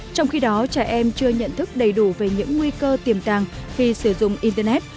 trong khi đó trẻ em chưa nhận thức đầy đủ về những nguy cơ tiềm tàng khi sử dụng internet